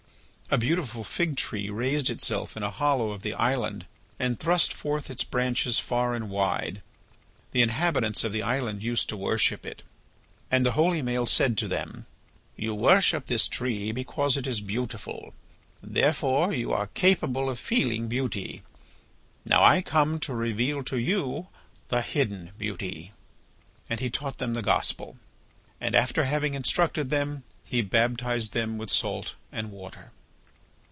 A beautiful fig tree raised itself in a hollow of the island and thrust forth its branches far and wide. The inhabitants of the island used to worship it. And the holy Maël said to them: "You worship this tree because it is beautiful. Therefore you are capable of feeling beauty. Now I come to reveal to you the hidden beauty." And he taught them the Gospel. And after having instructed them, he baptized them with salt and water.